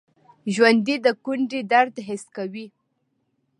ژوندي د کونډې درد حس کوي